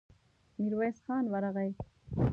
ميرويس خان ورغی.